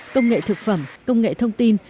công nghệ thực phẩm công nghệ thông tin